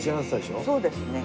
そうですね。